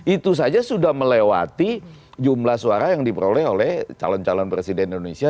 itu saja sudah melewati jumlah suara yang diperoleh oleh calon calon presiden indonesia